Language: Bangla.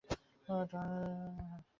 তাহার করুণা সতীশের মাসিমার কানেও বাজিল।